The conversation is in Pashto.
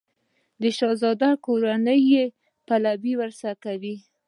د شهزاده کورنۍ یې پلوی ورسره کوي.